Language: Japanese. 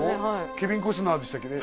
ケビン・コスナーでしたっけね？